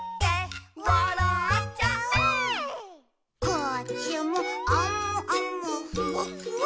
「こっちもあむあむふわっふわ」